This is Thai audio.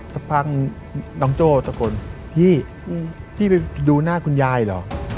สักพักน้องโจ้ตะโกนพี่พี่ไปดูหน้าคุณยายเหรอ